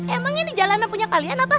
emang ini jalannya punya kalian apa